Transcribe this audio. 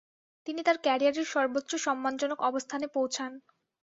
তিনি তার ক্যারিয়ারের সর্বোচ্চ সম্মানজনক অবস্থানে পৌছান।